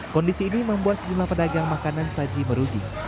kondisi ini membuat sejumlah pedagang makanan saji merugi